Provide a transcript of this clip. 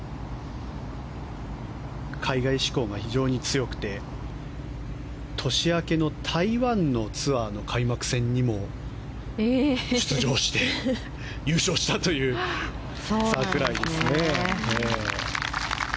海外志向が非常に強くて年明けの台湾のツアーの開幕戦にも出場して優勝したという櫻井。